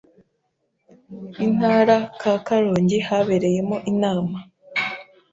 intara ka Karongi habereyemo inama